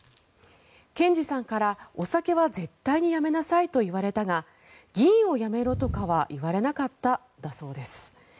検事さんからお酒は絶対にやめなさいと言われたが議員を辞めろとかは言われなかっただそうです。